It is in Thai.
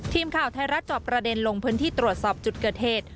ทีมข่าวไทยรัฐจอบประเด็นลงพื้นที่ตรวจสอบจุดเกิดเหตุ